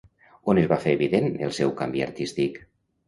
On es va fer evident el seu canvi artístic?